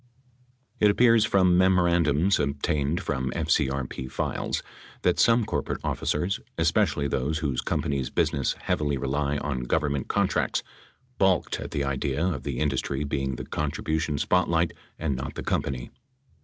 It appears from memorandums obtained from FCRP files that some corporate officers — especially those whose companies' business heavily rely on Government contracts — balked at the idea of the industry being the contribution spotlight and not the company.